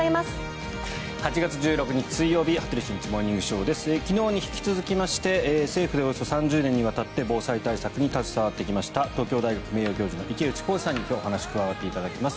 ８月１６日、水曜日「羽鳥慎一モーニングショー」。昨日に引き続きまして政府でおよそ３０年にわたって防災対策に携わってきました東京大学名誉教授の池内幸司さんに今日お話加わっていただきます。